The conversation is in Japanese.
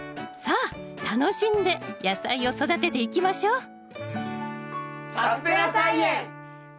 さあ楽しんで野菜を育てていきましょう！